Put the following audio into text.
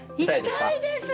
痛いですね！